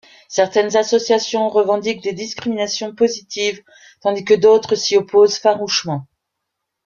Certaines associations revendiquent des discriminations positives, tandis que d'autres s'y opposent farouchement.